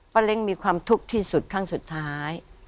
เล้งมีความทุกข์ที่สุดครั้งสุดท้าย